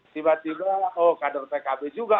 tiba tiba oh kader pkb juga